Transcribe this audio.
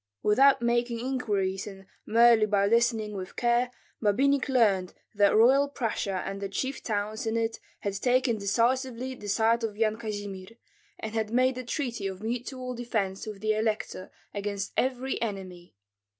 Without making inquiries and merely by listening with care, Babinich learned that Royal Prussia and the chief towns in it had taken decisively the side of Yan Kazimir, and had made a treaty of mutual defence with the elector against every enemy.